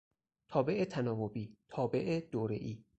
تابع تناوبی، تابع دورهای